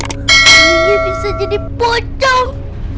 kulingnya bisa jadi potong